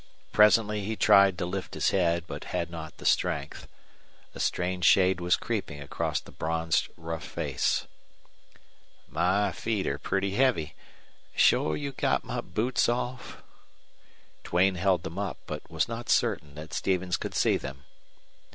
Presently he tried to lift his head, but had not the strength. A strange shade was creeping across the bronzed rough face. "My feet are pretty heavy. Shore you got my boots off?" Duane held them up, but was not certain that Stevens could see them.